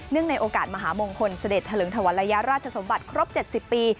ในโอกาสมหามงคลเสด็จเถลิงธวรรยาราชสมบัติครบ๗๐ปี